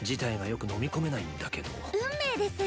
運命です。